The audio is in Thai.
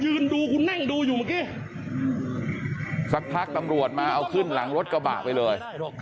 ดูคุณนั่งดูอยู่เมื่อกี้สักพักตำรวจมาเอาขึ้นหลังรถกระบะไปเลย